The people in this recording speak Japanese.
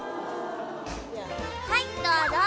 はいどうぞ。